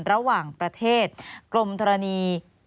ระหว่างประเทศกรมธรณี